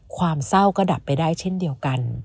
ความเศร้าก็ดับไปได้เช่นเดียวกัน